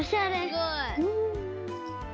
すごい。